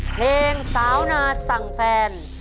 เพลงสาวนาสั่งแฟน